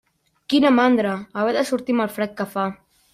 Quina mandra, haver de sortir amb el fred que fa.